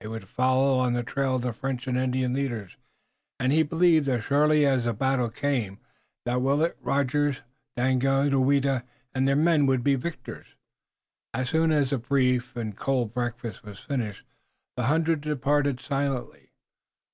They would follow on the trail of the French and Indian leaders, and he believed, as surely as a battle came, that Willet, Rogers, Daganoweda and their men would be the victors. As soon as the brief and cold breakfast was finished the hundred departed silently.